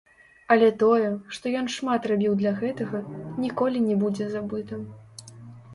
Але тое, што ён шмат рабіў для гэтага, ніколі не будзе забыта.